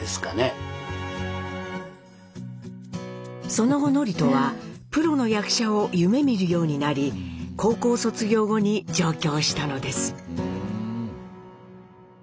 その後智人はプロの役者を夢みるようになり高校卒業後に上京したのです。